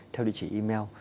theo địa chỉ email